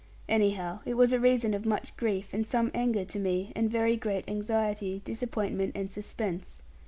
Anyhow, it was a reason of much grief, and some anger to me, and very great anxiety, disappointment, and suspense.